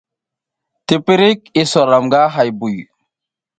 Tiprik isa ram nga hay buy.